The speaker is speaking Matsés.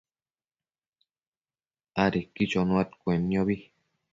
adequi chonuaccuenniobi